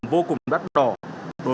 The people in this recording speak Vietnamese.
vô cùng đắt đỏ